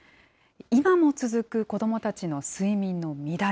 今も続く子どもたちの睡眠の乱れ。